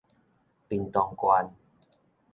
屏東縣